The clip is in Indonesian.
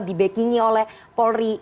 di backing nya oleh polri